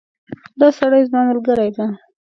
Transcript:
دا سړی زما ملګری ده